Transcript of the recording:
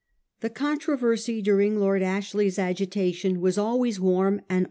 The controversy during Lord Ashley's agitation was always warm and von.